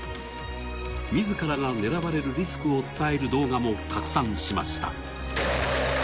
自らが狙われるリスクを伝える動画も拡散しました。